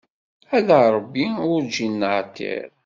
Ala Ṛebbi urǧin neɛtiṛ.